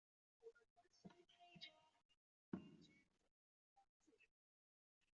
等腰横帘蛤为帘蛤科花蛤属下的一个种。